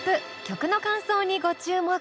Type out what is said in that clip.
曲の間奏にご注目。